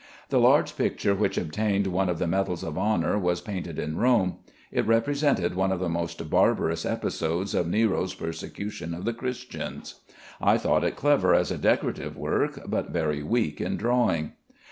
The large picture which obtained one of the medals of honor was painted in Rome. It represented one of the most barbarous episodes of Nero's persecution of the Christians. I thought it clever as a decorative work, but very weak in drawing.